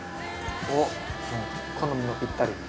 おっ好みのぴったり。